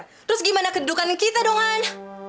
terus gimana kedukan kita dong han